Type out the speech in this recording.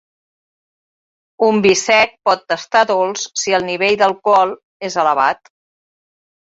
Un vi sec pot tastar dolç si el nivell d'alcohol és elevat.